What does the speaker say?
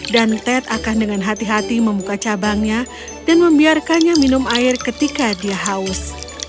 dan ted akan dengan hati hati membuka cabangnya dan membiarkannya minum air ketika dia haus